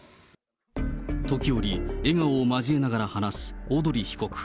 時折、笑顔を交えながら話す小鳥被告。